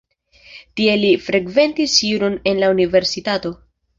Tie li frekventis juron en la universitato.